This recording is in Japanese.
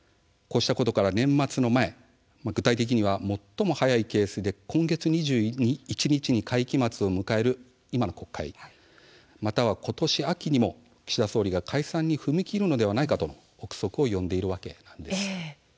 こうしたことから年末の前具体的には最も早いケースで今月２１日に会期末を迎える今の国会、また今年秋にも岸田総理が解散に踏み切るのではと臆測を呼んでいるわけなんです。